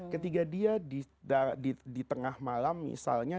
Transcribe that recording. ketika dia di tengah malam misalnya